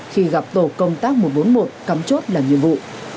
khi gặp tổ công tác một trăm bốn mươi một cắm chốt làm nhiệm vụ